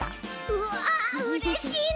うわうれしいな！